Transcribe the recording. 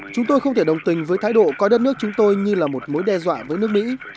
chúng tôi không thể đồng tình với thái độ coi đất nước chúng tôi như là một mối đe dọa với nước mỹ